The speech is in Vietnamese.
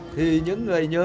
thì những người nhớ